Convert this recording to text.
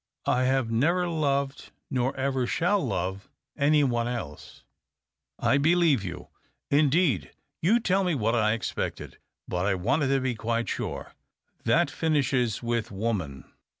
I have never loved, nor ever shall love, any one else." " I believe you. Indeed, you tell me what I expected, but I wanted to be quite sure. That finishes with woman.